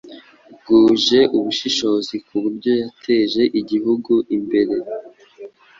bwuje ubushishozi kuburyo yateje igihugu imbere.